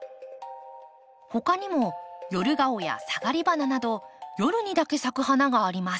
他にもヨルガオやサガリバナなど夜にだけ咲く花があります。